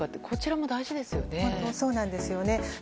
こちらも大事ですよね。